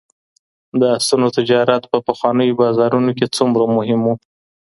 د اسونو تجارت په پخوانیو بازارونو کي څومره مهم و؟